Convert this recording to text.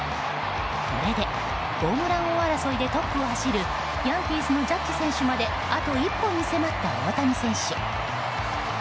これでホームラン王争いでトップを走るヤンキースのジャッジ選手まであと一歩に迫った大谷選手。